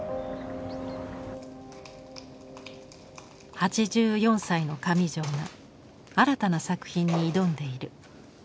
８４歳の上條が新たな作品に挑んでいる。